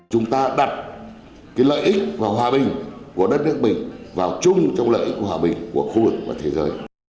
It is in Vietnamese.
chúng ta đặt lợi ích và hòa bình của đất nước mình vào chung trong lợi ích của hòa bình của khu vực và thế giới